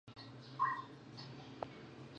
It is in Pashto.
نو کومه دعاء چې به ئي ويله، په هغې کي دا الفاظ راغلي: